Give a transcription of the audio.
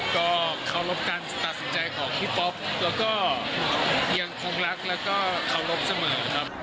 ก็เคารพการตัดสินใจของพี่ป๊อปแล้วก็ยังคงรักแล้วก็เคารพเสมอครับ